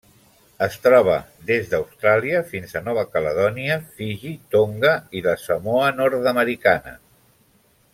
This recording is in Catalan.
Es troba des d'Austràlia fins a Nova Caledònia, Fiji, Tonga i la Samoa Nord-americana.